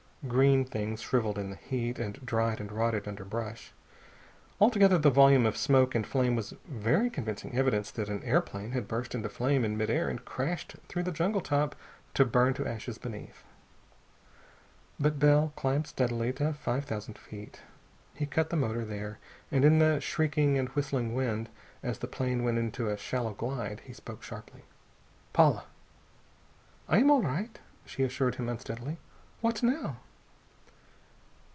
Green things shriveling in the heat, and dried and rotted underbrush. Altogether, the volume of smoke and flame was very convincing evidence that an airplane had burst into flame in mid air and crashed through the jungle top to burn to ashes beneath. But Bell climbed steadily to five thousand feet. He cut out the motor, there, and in the shrieking and whistling of wind as the plane went into a shallow glide, he spoke sharply. "Paula?" "I am all right," she assured him unsteadily. "What now?"